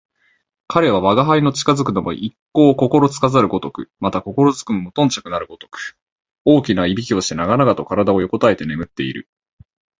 彼は吾輩の近づくのも一向心付かざるごとく、また心付くも無頓着なるごとく、大きな鼾をして長々と体を横えて眠っている